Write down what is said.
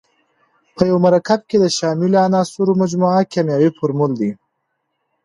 په یو مرکب کې د شاملو عنصرونو مجموعه کیمیاوي فورمول دی.